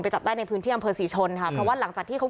ไปจับได้ในพื้นที่อำเภอศรีชนนะคะ